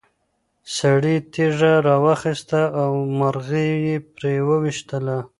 سړي تیږه راواخیسته او مرغۍ یې پرې وویشتله.